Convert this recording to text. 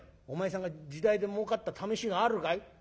「お前さんが時代で儲かったためしがあるかい？